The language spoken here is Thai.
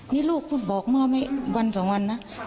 นี่ลูกเพิ่งบอกเมื่อวันสองวันนะ